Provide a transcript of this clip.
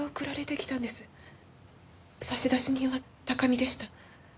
差出人は高見でした。